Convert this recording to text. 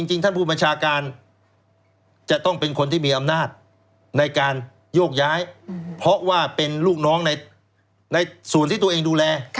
จริงท่านผู้บัญชาการจะต้องเป็นคนที่มีอำนาจในการโยกย้ายเพราะว่าเป็นลูกน้องในส่วนที่ตัวเองดูแล